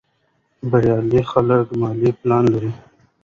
بریالي خلک مالي پلان لري.